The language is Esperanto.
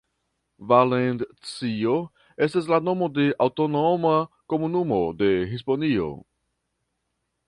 Valencio estas la nomo de aŭtonoma komunumo de Hispanio.